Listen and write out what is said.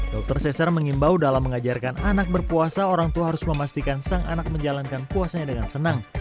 dokter cesar mengimbau dalam mengajarkan anak berpuasa orang tua harus memastikan sang anak menjalankan puasanya dengan senang